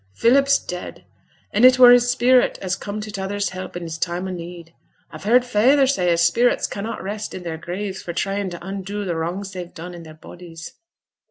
Philip's dead, and it were his spirit as come to t' other's help in his time o' need. I've heard feyther say as spirits cannot rest i' their graves for trying to undo t' wrongs they've done i' their bodies.'